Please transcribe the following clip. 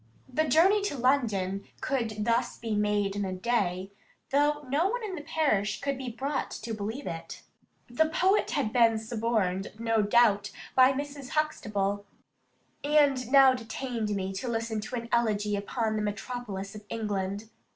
The journey to London could thus be made in a day, though no one in the parish could be brought to believe it. The poet had been suborned, no doubt, by Mrs. Huxtable, and now detained me to listen to an elegy upon the metropolis of England.